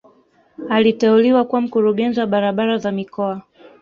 Aliteuliwa kuwa mkurugenzi wa barabara za mikoa